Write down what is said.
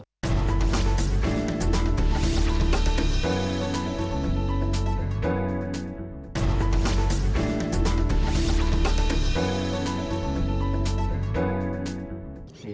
ketika mencari makanan di mangrove